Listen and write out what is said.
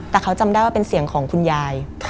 แต่เขาจำได้ว่าเป็นเสียงของคุณยาย